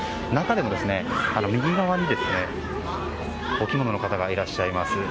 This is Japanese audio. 中でも、右側にお着物の方がいらっしゃいます。